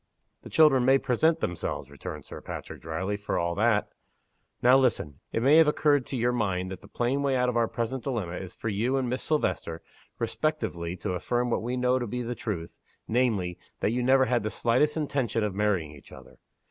"The children may present themselves," returned Sir Patrick, dryly, "for all that. Now listen. It may have occurred to your mind that the plain way out of our present dilemma is for you and Miss Silvester, respectively, to affirm what we know to be the truth namely, that you never had the slightest intention of marrying each other.